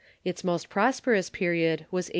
Its most prosperous period Avas A.